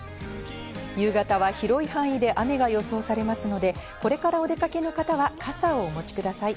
夕方は広い範囲で雨が予想されますので、これからお出かけの方は傘をお持ちください。